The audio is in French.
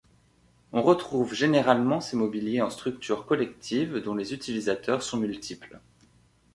On retrouve généralement ces mobiliers en structures collectives dont les utilisateurs sont multiples.